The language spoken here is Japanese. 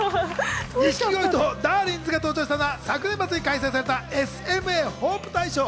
錦鯉とだーりんずが登場したのは昨年末に開催された「ＳＭＡホープ大賞」。